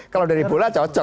kalau dari bola cocok